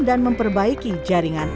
dan memperbaiki kondisi kondisi kondisi